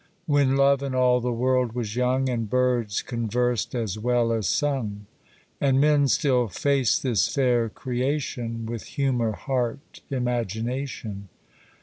When Love and all the world was young, And birds conversed as well as sung; And men still faced this fair creation With humour, heart, imagination.